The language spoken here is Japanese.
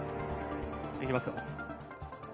いきますよ。